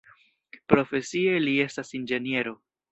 Profesie li estas inĝeniero.